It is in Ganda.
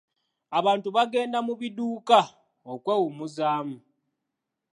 Abantu bagenda mu biduuka okwewummuzaamu.